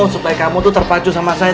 supaya kamu tuh terpacu sama saya